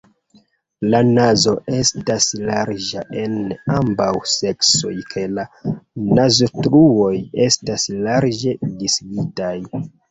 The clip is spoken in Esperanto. La nazo estas larĝa en ambaŭ seksoj kaj la naztruoj estas larĝe disigitaj.